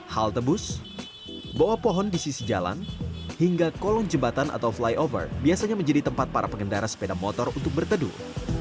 halte bus bawah pohon di sisi jalan hingga kolong jembatan atau flyover biasanya menjadi tempat para pengendara sepeda motor untuk berteduh